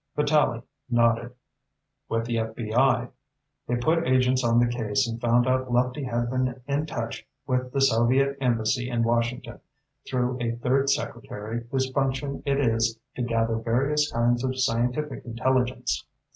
Vitalli nodded. "With the FBI. They put agents on the case and found out Lefty had been in touch with the Soviet Embassy in Washington, through a third secretary whose function it is to gather various kinds of scientific intelligence.